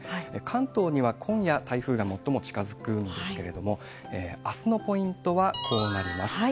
関東には今夜、台風が最も近づくんですけれども、あすのポイントはこうなります。